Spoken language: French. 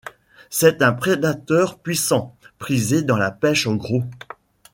C'est un prédateur puissant, prisé dans la pêche au gros.